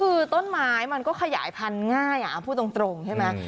คือต้นไม้มันก็ขยายพันธุ์ง่ายพูดตรงใช่ไหม